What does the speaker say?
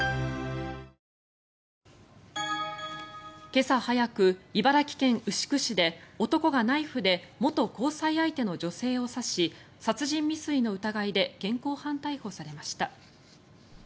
今朝早く、茨城県牛久市で男がナイフで元交際相手の女性を刺し殺人未遂の疑いで現行犯逮捕されました。